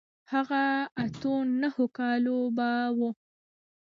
هغه اتو نهو کالو به و.